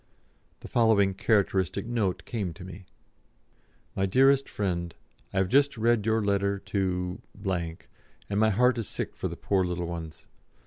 The following characteristic note came to me: "MY DEAREST FRIEND, I have just read your letter to and my heart is sick for the poor little ones!